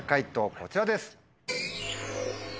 こちらです。